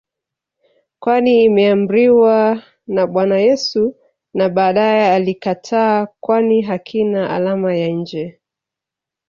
kwani imeamriwa na Bwana Yesu na baadae alikataa kwani hakina alama ya nje